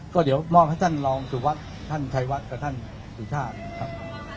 ก็เดี๋ยวมอบให้ท่านรองสุวัสดิ์ท่านชัยวัดกับท่านสุชาตินะครับ